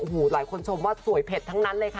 โอ้โหหลายคนชมว่าสวยเผ็ดทั้งนั้นเลยค่ะ